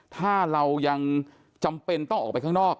ถ้าเรายังจำเป็นต้องออกไปข้างนอก